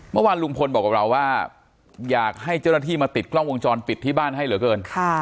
เมื่อวานลุงพลบอกกับเราว่าอยากให้เจ้าหน้าที่มาติดกล้องวงจรปิดที่บ้านให้เหลือเกิน